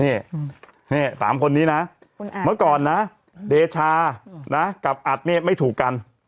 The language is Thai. เนี้ยเนี้ยสามคนนี้นะคุณอัดเมื่อก่อนนะเดชากับอัดเนี้ยไม่ถูกกัน